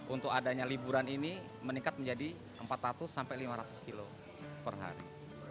untuk adanya liburan ini meningkat menjadi empat ratus sampai lima ratus kilo per hari